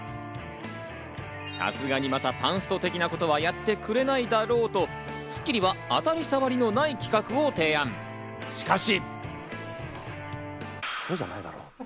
さすがにまたパンスト的なことはやってくれないだろうと、『スッキリ』は当たり障りのない企画を提案、しかし。